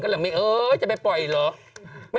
หุ่นนี้ชอบไหม